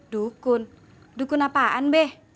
dukun dukun apaan beh